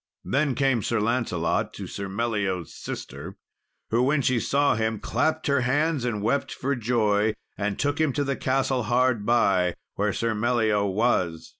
Then came Sir Lancelot to Sir Meliot's sister, who, when she saw him, clapped her hands and wept for joy, and took him to the castle hard by, where Sir Meliot was.